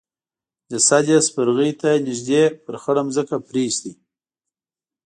جسد يې سپرغي ته نږدې پر خړه ځمکه پريېست.